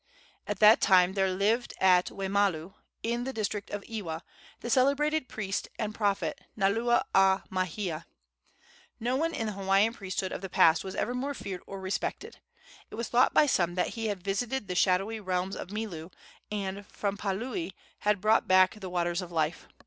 At that time there lived at Waimalu, in the district of Ewa, the celebrated priest and prophet Naula a Maihea. No one in the Hawaiian priesthood of the past was ever more feared or respected. It was thought by some that he had visited the shadowy realms of Milu, and from Paliuli had brought back the waters of life.